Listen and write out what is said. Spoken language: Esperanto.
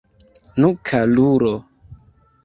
Nu, karulo!